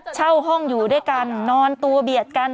เช่าห้องอยู่ด้วยกันนอนตัวเบียดกัน